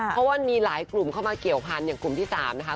เพราะว่ามีหลายกลุ่มเข้ามาเกี่ยวพันธุ์อย่างกลุ่มที่๓นะคะ